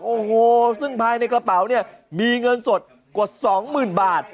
โอ้โหซึ่งภายในกระเป๋าเนี่ยมีเงินสดกว่าสองหมื่นบาท